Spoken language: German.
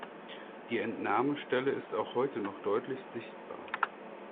Die Entnahmestelle ist auch heute noch deutlich sichtbar.